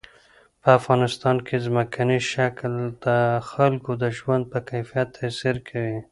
په افغانستان کې ځمکنی شکل د خلکو د ژوند په کیفیت تاثیر کوي.